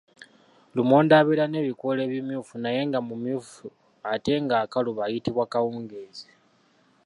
Lumonde abeera n’ebikoola ebimyufu naye nga mumyufu ate ng’akaluba ayitibwa kawungeezi.